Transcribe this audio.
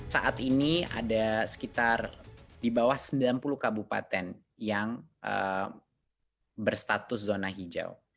saat ini ada sekitar di bawah sembilan puluh kabupaten yang berstatus zona hijau